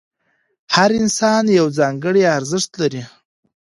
هر انسان یو ځانګړی ارزښت لري.